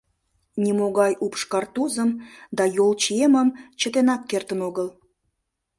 Нимогай упш-картузым да йолчиемым чытенак кертын огыл.